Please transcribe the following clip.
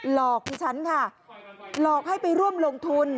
หลอกดิฉันค่ะหลอกให้ไปร่วมลงทุน